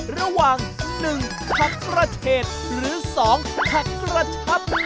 ระหว่าง๑ทักระเทศหรือ๒ทักระชับ